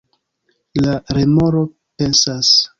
La remoro pensas: